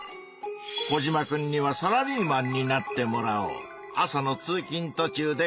コジマくんにはサラリーマンになってもらおう。